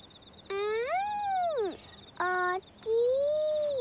うん！